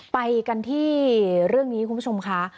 ไปกันที่เรื่องนี้คุณผู้ชมค่ะ